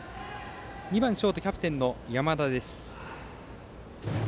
２番ショートキャプテンの山田です。